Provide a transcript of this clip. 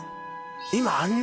今あんな